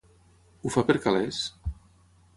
Ho fa per cales?